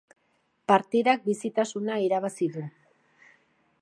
Partidak bizitasuna irabazi du.